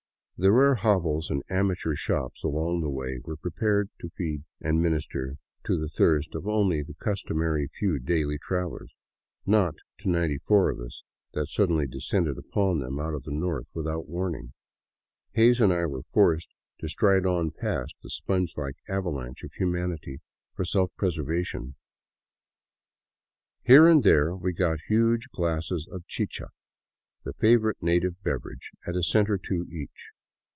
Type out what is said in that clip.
The rare hovels and amateur shops along the way were prepared to feed and minister to the thirst of only the customary few daily travelers; not to the ninety four of us that suddenly de scended upon them out of the north without warning. Hays and I were forced to stride on past the sponge like avalanche of humanity for self preservation. Here and there we got huge glasses of chicha, the favorite native beverage, at a cent or two each.